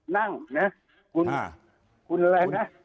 นั่งนะคุณคุณอะไรนะ